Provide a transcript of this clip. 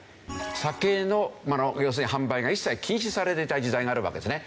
酒の要するに販売が一切禁止されていた時代があるわけですね。